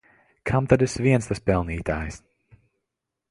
Kam tad es vien tas pelnītājs!